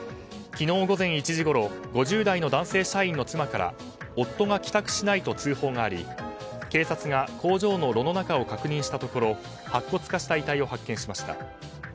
昨日午前１時ごろ５０代の男性社員の妻から夫が帰宅しないと通報があり警察が工場の炉の中を確認したところ白骨化した遺体を発見しました。